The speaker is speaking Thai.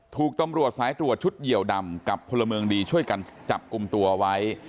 ถูกตำรวจสายตรวจชุดเหยียวดำกับพลเมืองดีช่วยกันจับกลุ่มตัวไว้